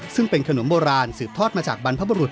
ซึ่งเป็นขนมโบราณสืบทอดมาจากบรรพบุรุษ